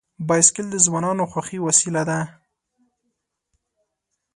بایسکل د ځوانانو خوښي وسیله ده.